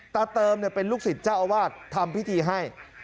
เติมเป็นลูกศิษย์เจ้าอาวาสทำพิธีให้